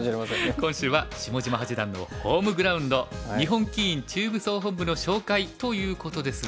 今週は下島八段のホームグラウンド日本棋院中部総本部の紹介ということですが。